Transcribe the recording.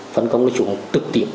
phân công được chúng tự tiệm